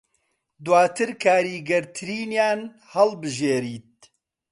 دوواتر کاریگەرترینیان هەڵبژێریت